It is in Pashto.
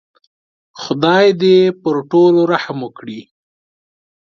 خدای دې پر ټولو رحم وکړي.